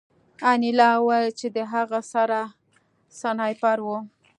انیلا وویل چې د هغه سره سنایپر و